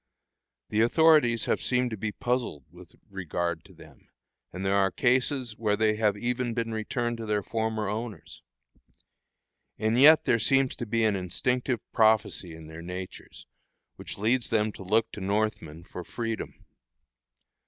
The authorities have seemed to be puzzled with regard to them; and there are cases where they have even been returned to their former owners. And yet there seems to be an instinctive prophecy in their natures, which leads them to look to Northmen for freedom.